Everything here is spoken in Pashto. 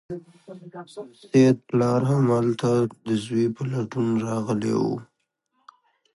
د سید پلار هم هلته د زوی په لټون راغلی و.